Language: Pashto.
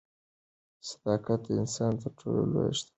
صداقت د انسان تر ټولو لویه شتمني ده.